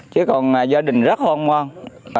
chứ còn gia đình rất hoang hoang